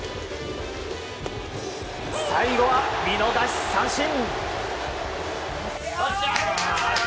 最後は見逃し三振！